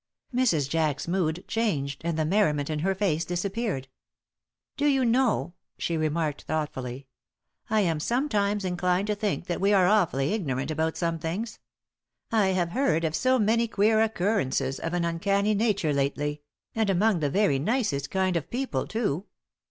Mrs. Jack's mood changed and the merriment in her face disappeared. "Do you know," she remarked, thoughtfully. "I am sometimes inclined to think that we are awfully ignorant about some things. I have heard of so many queer occurrences of an uncanny nature lately and among the very nicest kind of people, too.